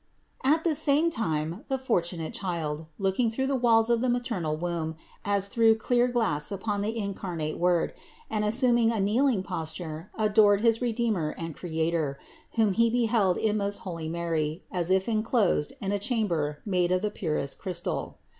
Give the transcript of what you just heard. At the same time the for tunate child, looking through the walls of the maternal womb as through clear glass upon the incarnate Word, and assuming a kneeling posture, adored his Redeemer and Creator, whom he beheld in most holy Mary as if enclosed in a chamber made of the purest crystal.